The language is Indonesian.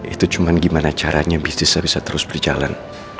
itu cuma gimana caranya bisnisnya bisa terus berjalan